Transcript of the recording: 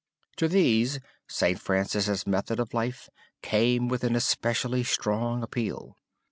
To these St. Francis' method of life came with an especially strong appeal.